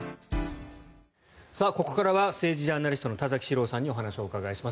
ここからは政治ジャーナリストの田崎史郎さんにお話をお伺いします。